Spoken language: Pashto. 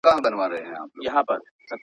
ړانده سړي له ږیري سره بې ډاره اتڼ کاوه.